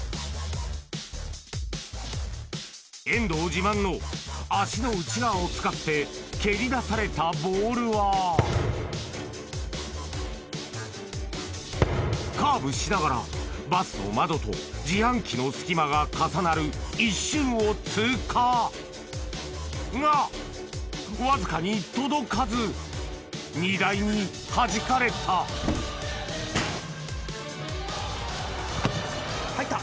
遠藤自慢の足の内側を使って蹴り出されたボールはカーブしながらバスの窓と自販機の隙間が重なる一瞬を通過がわずかに届かず荷台にはじかれた入った。